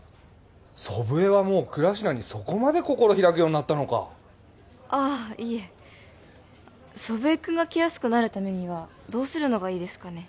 祖父江はもう倉科にそこまで心開くようになったのかああいえ祖父江君が来やすくなるためにはどうするのがいいですかね？